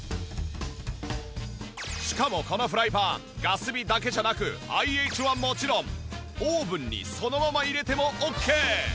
しかもこのフライパンガス火だけじゃなくＩＨはもちろんオーブンにそのまま入れてもオッケー！